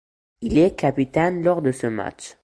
Il est capitaine lors de ce match.